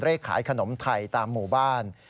เลขขายขนมไทยตามหมู่บ้าน